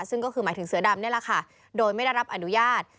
ซึ่งก็คือหมายถึงเสือดำนี่แหละค่ะโดยไม่ได้รับอนุญาต